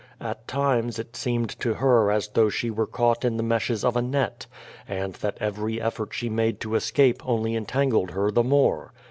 At times it seemed to her as though she were caught in the meshes of a net, and that every effort she made to escape only entangled her the more.